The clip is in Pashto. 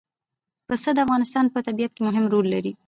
پسه د افغانستان په طبیعت کې مهم رول لري.